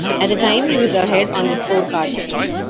At the time he was ahead on the scorecards.